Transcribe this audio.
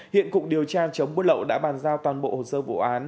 hiện cục điều tra chống buôn lậu đã bàn giao toàn bộ hồ sơ vụ án